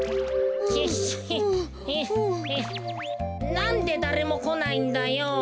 なんでだれもこないんだよ。